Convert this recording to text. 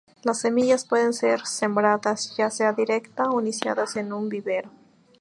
Las semillas pueden ser sembradas ya sea directa o iniciados en un vivero.